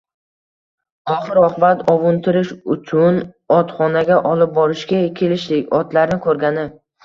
Oxir-oqibat ovuntirish uchun otxonaga olib borishga kelishdik, otlarni ko`rgani